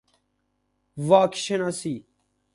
واک شناسی